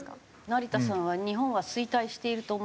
成田さんは日本は衰退していると思いますか？